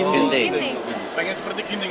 pengen seperti ginting